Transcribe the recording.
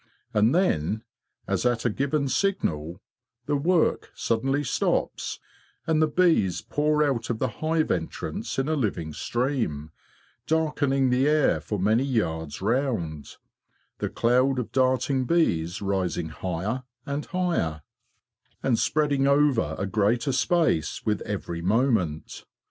And then, as at a given signal, the work suddenly stops, and the bees pour out of the hive entrance in a living stream, darkening the air for many yards round, the cloud of darting bees rising higher and higher, and spreading over a greater space with every 134 THE BEE MASTER OF WARRILOW moment.